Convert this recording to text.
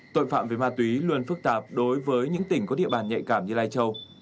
tội phạm về ma túy luôn phức tạp đối với những tỉnh có địa bàn nhạy cảm như lai châu